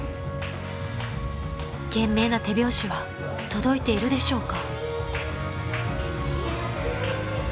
［懸命な手拍子は届いているでしょうか］